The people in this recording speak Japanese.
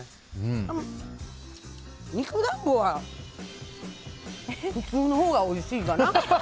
肉団子は普通のほうがおいしいかな。